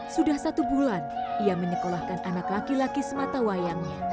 sudah satu bulan ia menyekolahkan anak laki laki sematawayangnya